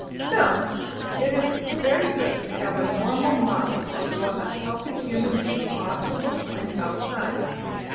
Still, it is very good to have a normal model of what a healthy human being ought to look like outside.